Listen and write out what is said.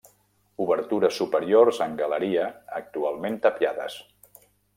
Obertures superiors en galeria actualment tapiades.